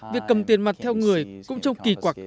việc cầm tiền mặt theo người cũng trông kỳ quặc